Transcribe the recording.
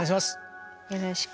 よろしく。